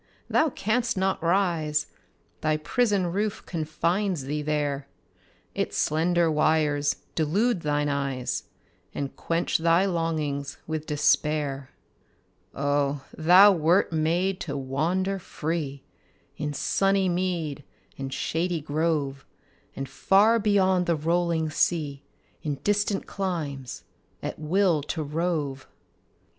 Thou canst not rise: Thy prison roof confines thee there; Its slender wires delude thine eyes, And quench thy longings with despair. Oh, thou wert made to wander free In sunny mead and shady grove, And far beyond the rolling sea, In distant climes, at will to rove!